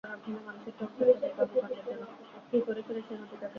পুলিশের চোখে পিছনেও থাকে।